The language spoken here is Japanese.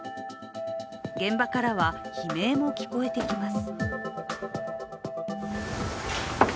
現場からは悲鳴も聞こえてきます。